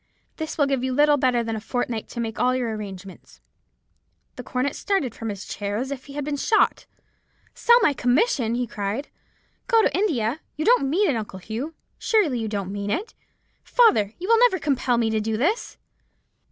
This will give you little better than a fortnight to make all your arrangements." "The young cornet started from his chair as if he had been shot. "'Sell my commission!' he cried; 'go to India! You don't mean it, Uncle Hugh; surely you don't mean it. Father, you will never compel me to do this.'